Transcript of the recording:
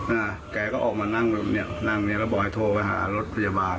อ่าแกก็ออกมานั่งแบบเนี้ยนั่งเนี้ยแล้วบอยโทรไปหารถพยาบาล